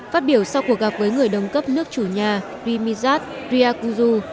phát biểu sau cuộc gặp với người đồng cấp nước chủ nhà rimizat riyakudu